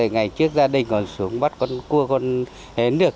ngày trước gia đình còn xuống bắt con cua con hến được